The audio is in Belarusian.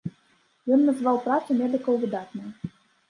Ён назваў працу медыкаў выдатнай.